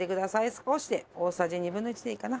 少しで大さじ２分の１でいいかな。